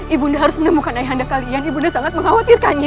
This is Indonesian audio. ibu nda harus menemukan ayah anda kalian ibu nda sangat mengkhawatirkannya